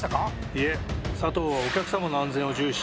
いえ、佐藤はお客さまの安全を重視。